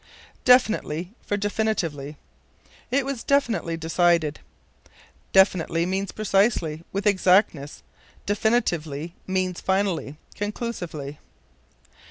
Definitely for Definitively. "It was definitely decided." Definitely means precisely, with exactness; definitively means finally, conclusively.